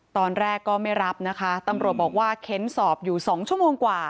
ตอนแรกก็ไม่รับนะคะตำรวจบอกว่าเค้นสอบอยู่๒ชั่วโมงกว่า